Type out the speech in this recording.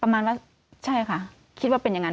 ประมาณว่าใช่ค่ะคิดว่าเป็นอย่างนั้น